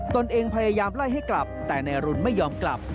ตนเองพยายามไล่ให้กลับแต่นายรุนไม่ยอมกลับ